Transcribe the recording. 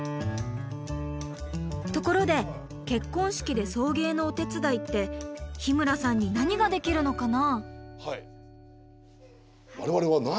ところで結婚式で送迎のお手伝いって日村さんに何ができるのかな？